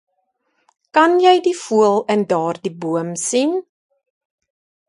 Kan jy die voël in daardie boom sien?